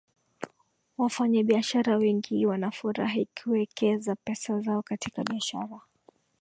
wafanyabiashara wengi wanafurahi kuwekeza pesa zao katika biashara